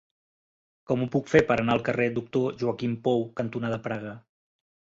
Com ho puc fer per anar al carrer Doctor Joaquim Pou cantonada Praga?